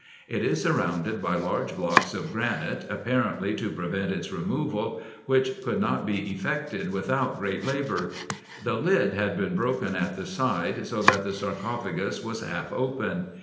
It is surrounded by large blocks of granite, apparently to prevent its removal, which could not be effected without great labour. The lid had been broken at the side, so that the sarcophagus was half open.